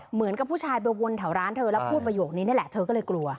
เหมือนกับผู้ชายไปวนแถวร้านเธอแล้วพูดประโยคนี้นี่แหละเธอก็เลยกลัว